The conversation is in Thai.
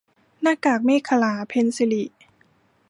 หน้ากากเมขลา - เพ็ญศิริ